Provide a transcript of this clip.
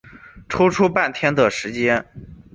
抽出半天的时间